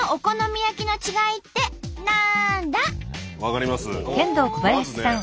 分かります